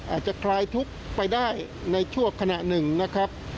อาจจะคลายทุกข์ไปได้ในชั่วขณะหนึ่งนะครับ